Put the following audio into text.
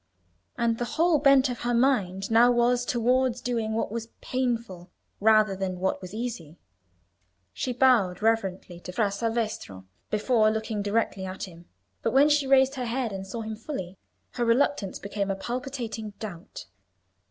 And the whole bent of her mind now was towards doing what was painful rather than what was easy. She bowed reverently to Fra Salvestro before looking directly at him; but when she raised her head and saw him fully, her reluctance became a palpitating doubt.